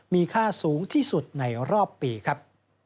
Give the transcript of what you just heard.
มีค่าสูงที่สุดในรอบปีครับ